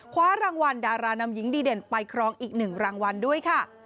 คว้ารางวัลดารานำหญิงดีเด่นไปครองอีก๑รางวัลด้วยค่ะ